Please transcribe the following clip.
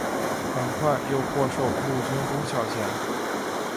很快又获授陆军中校衔。